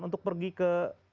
untuk pergi ke